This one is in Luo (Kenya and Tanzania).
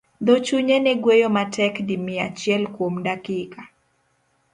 Dho chunye ne gweyo matek di mia achiel kuom dakika.